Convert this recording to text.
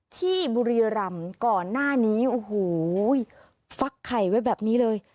ที่บุรีรำก่อนหน้านี้โอ้โหฟักไข่ไว้แบบนี้เลย